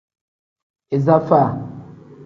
Iza faa.